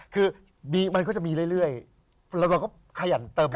คือมันก็จะมีเรื่อยแล้วเราก็ขยันเติม